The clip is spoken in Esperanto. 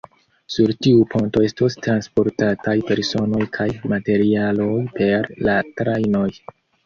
Sur tiu ponto estos transportataj personoj kaj materialoj pere de trajnoj.